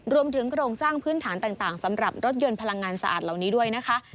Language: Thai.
รวมถึงโครงสร้างพื้นฐานต่างสำหรับรถยนต์พลังงานสะอาดเหล่านี้ด้วยนะคะ